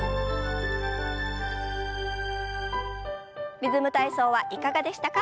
「リズム体操」はいかがでしたか？